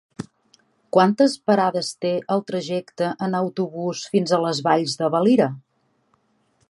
Quantes parades té el trajecte en autobús fins a les Valls de Valira?